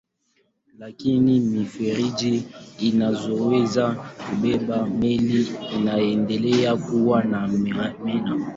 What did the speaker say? Lakini mifereji inayoweza kubeba meli inaendelea kuwa na maana.